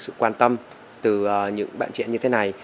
sự quan tâm từ những bạn trẻ như thế này